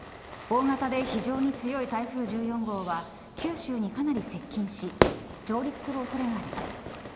大型で非常に強い台風１４号は九州にかなり接近し上陸する恐れがあります。